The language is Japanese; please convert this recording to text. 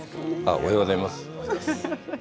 おはようございます。